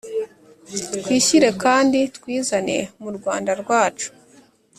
Twishyire kandi twizane mu Rwanda rwacu.